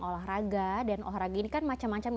olahraga dan olahraga ini kan macam macam